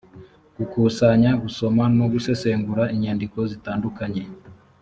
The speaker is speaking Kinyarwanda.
gukusanya gusoma no gusesengura inyandiko zitandukanye